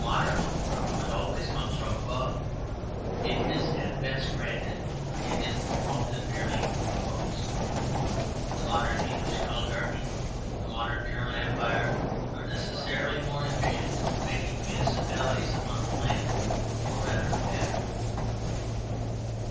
Modern local government always comes from above; it is at best granted; it is more often merely imposed. The modern English oligarchy, the modern German Empire, are necessarily more efficient in making municipalities upon a plan, or rather a pattern.